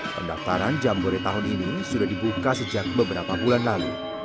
pendaftaran jambore tahun ini sudah dibuka sejak beberapa bulan lalu